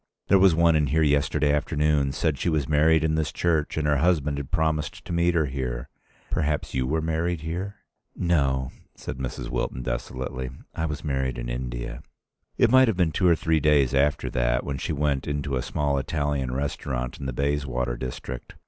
There was one in here yesterday afternoon said she was married in this church and her husband had promised to meet her here. Perhaps you were married here?" "No," said Mrs. Wilton, desolately. "I was married in India." It might have been two or three days after that, when she went into a small Italian restaurant in the Bayswater district.